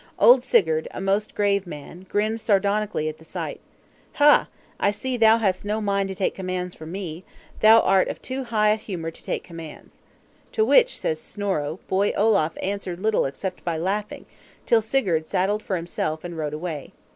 Old Sigurd, a most grave man, grinned sardonically at the sight. "Hah, I see thou hast no mind to take commands from me; thou art of too high a humor to take commands." To which, says Snorro, Boy Olaf answered little except by laughing, till Sigurd saddled for himself, and rode away.